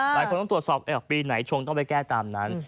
หลายคนต้องตรวจสอบปีไหนชงต้องไปแก้ตามนั้น